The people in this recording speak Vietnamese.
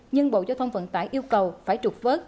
nhưng bộ giao thông vận tải yêu cầu phải trục vớt